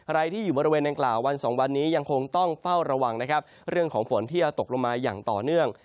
ใครที่อยู่บริเวณดังกล่าววันสองวันนี้ยังคงต้องเฝ้าระวังนะครับเรื่องของฝนที่จะตกลงมาอย่างต่อเนื่อง